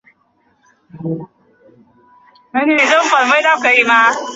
毕业于湖南大学材料科学与工程专业。